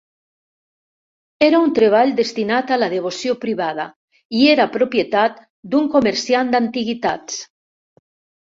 Era un treball destinat a la devoció privada i era propietat d'un comerciant d'antiguitats.